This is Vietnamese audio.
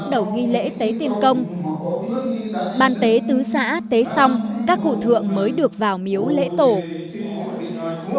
thường mỗi cụ thượng khi vào lễ đều được cụ tiên thứ chỉ của xã đọc một bài văn đó đọc một bài văn đó đọc một bài văn đó nhà ý tổ tư đọc một bài văn đó nhà ý tổ tử đọc một bài văn đó nhà ý tổ tử đọc một bài văn đó nhà ý tổ tư